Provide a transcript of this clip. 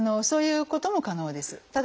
そういうことも可能です。